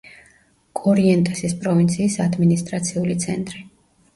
კორიენტესის პროვინციის ადმინისტრაციული ცენტრი.